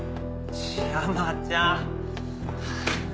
山ちゃん。